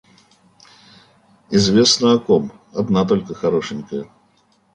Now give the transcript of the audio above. Известно о ком: одна только хорошенькая.